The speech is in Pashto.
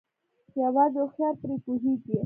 يوازې هوښيار پري پوهيږي